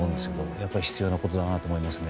やっぱり必要なことだなと思いますね。